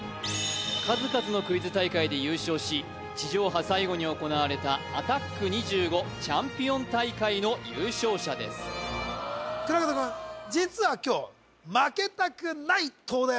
数々のクイズ大会で優勝し地上波最後に行われた「アタック２５」チャンピオン大会の優勝者です倉門くん実は今日おっ？